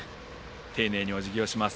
丁寧におじぎをします。